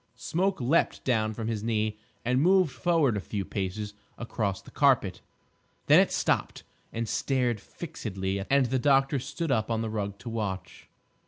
Smoke leaped down from his knee and moved forward a few paces across the carpet. Then it stopped and stared fixedly; and the doctor stood up on the rug to watch.